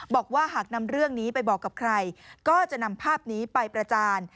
บอกว่าหากนำเรื่องนี้ไปบอกกับใครก็จะนำภาพนี้ไปประจาน